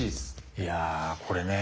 いやこれね。